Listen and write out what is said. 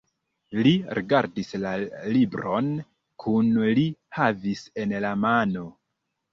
Li rigardis la libron, kiun li havis en la mano.